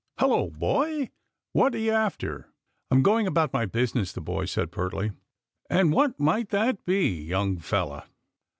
" Hullo, boy ! What are you after ?"" I'm going about my business," the boy said pertly. " And what might that be, young fellow